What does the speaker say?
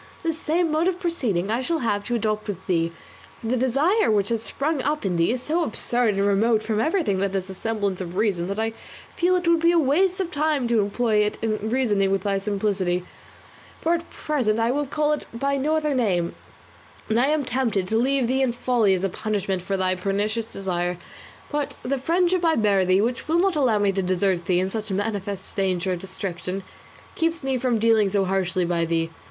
This same mode of proceeding I shall have to adopt with thee, for the desire which has sprung up in thee is so absurd and remote from everything that has a semblance of reason, that I feel it would be a waste of time to employ it in reasoning with thy simplicity, for at present I will call it by no other name; and I am even tempted to leave thee in thy folly as a punishment for thy pernicious desire; but the friendship I bear thee, which will not allow me to desert thee in such manifest danger of destruction, keeps me from dealing so harshly by thee.